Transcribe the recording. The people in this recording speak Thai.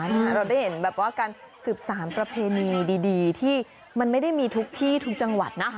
เราได้เห็นแบบว่าการสืบสารประเพณีดีที่มันไม่ได้มีทุกที่ทุกจังหวัดนะคะ